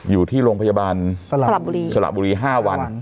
อยู่ที่โรงพยาบาลสลับบุรีสลับบุรีห้าวัน